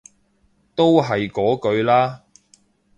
都係嗰句啦